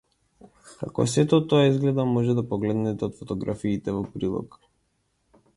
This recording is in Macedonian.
Како сето тоа изгледа можете да погледнете од фотографиите во прилог.